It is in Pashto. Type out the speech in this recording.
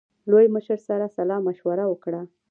لوی مشر سره سلا مشوره وکړه.